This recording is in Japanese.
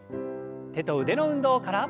手と腕の運動から。